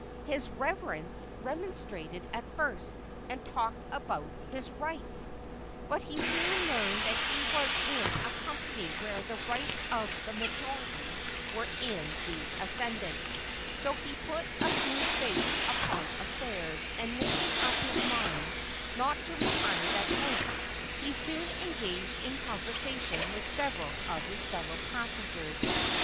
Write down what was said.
His "reverence" remonstrated at first, and talked about "his rights"; but he soon learned that he was in a company where the rights of "the majority" were in the ascendant; so he put a smooth face upon affairs, and making up his mind not to retire that night, he soon engaged in conversation with several of his fellow passengers.